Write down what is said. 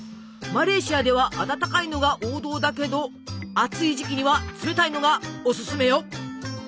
マレーシアでは温かいのが王道だけど暑い時期には冷たいのがオススメよ！